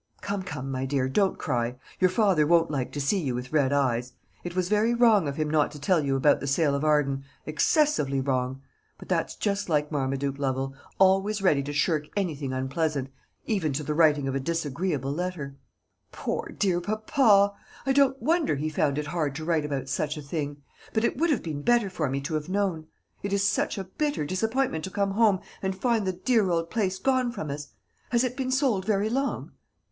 Come, come, my dear, don't cry; your father won't like to see you with red eyes. It was very wrong of him not to tell you about the sale of Arden excessively wrong. But that's just like Marmaduke Lovel; always ready to shirk anything unpleasant, even to the writing of a disagreeable letter." "Poor dear papa! I don't wonder he found it hard to write about such a thing; but it would have been better for me to have known. It is such a bitter disappointment to come home and find the dear old place gone from us. Has it been sold very long?"